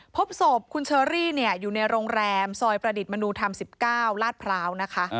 พบศพคุณเชอรี่อยู่ในโรงแรมซอยประดิษฐ์มนุธรรม๑๙ลาดพร้าวนะคะ